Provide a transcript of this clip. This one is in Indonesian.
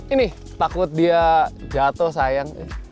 ini takut dia jatuh sayang